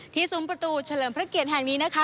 ซุ้มประตูเฉลิมพระเกียรติแห่งนี้นะคะ